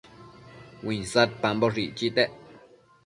uinsadpamboshë icchitec